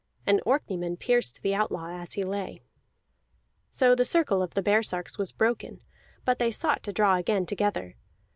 An Orkneyman pierced the outlaw as he lay. So the circle of the baresarks was broken, but they sought to draw again together.